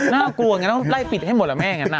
น่ากลัวอย่างนั้นต้องไล่ปิดให้หมดละแม่งั้นอะ